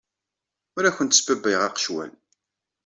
Ur awent-sbabbayeɣ aqecwal.